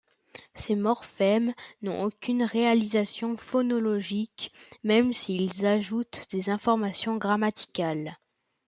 Ces morphèmes n’ont aucune réalisation phonologique même s’ils ajoutent des informations grammaticales.